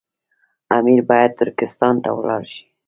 امیر باید ترکستان ته ولاړ شي.